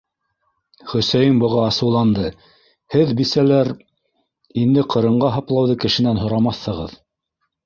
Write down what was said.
Хөсәйен быға асыуланды: - Һеҙ, бисәләр, инде ҡырынға һаплауҙы кешенән һорамаҫһығыҙ.